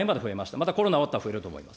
またコロナ終わったら増えると思います。